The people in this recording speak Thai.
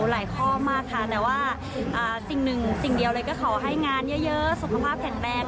ข้อมากค่ะแต่ว่าสิ่งหนึ่งสิ่งเดียวเลยก็ขอให้งานเยอะสุขภาพแข็งแรง